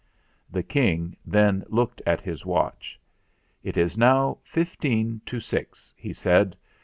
The King then looked at his watch. "It is now fifteen to six," he said.